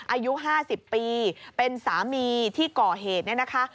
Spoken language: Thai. อายุ๕๐ปีเป็นสามีที่ก่อเหตุเนี่ยนะคะ